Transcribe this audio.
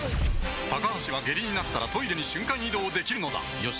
高橋は下痢になったらトイレに瞬間移動できるのだよし。